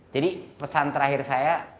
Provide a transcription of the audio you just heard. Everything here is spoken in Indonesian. jadi pesan terakhir saya